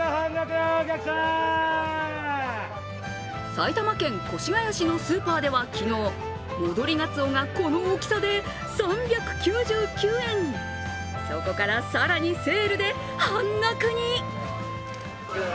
埼玉県越谷市のスーパーでは昨日戻りがつおがこの大きさで３９９円、そこから更にセールで半額に。